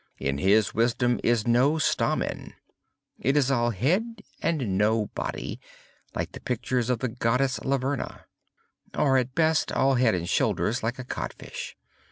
In his wisdom is no stamen. It is all head and no body, like the pictures of the Goddess Laverna,—or, at best, all head and shoulders, like a codfish.